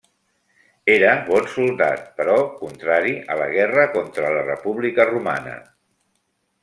Era bon soldat, però contrari a la guerra contra la República Romana.